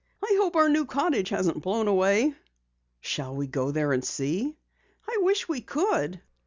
"I hope our new cottage hasn't blown away." "Shall we go there and see?" "I wish we could."